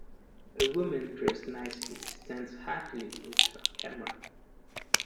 A woman dressed nicely stands happily with her camera.